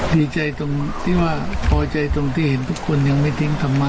ดีใจตรงที่ว่าพอใจตรงที่เห็นทุกคนยังไม่ทิ้งธรรมะ